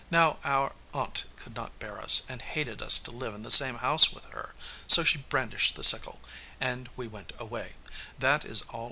Now our aunt could not bear us, and hated us to live in the same house with her, so she brandished the sickle, and we went away.